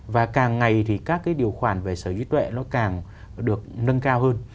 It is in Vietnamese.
và càng ngày thì các cái điều khoản về sở hữu trí tuệ nó càng được nâng cao hơn